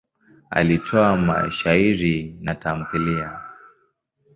Alitoa mashairi na tamthiliya.